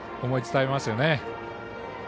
思いが伝わりますよね。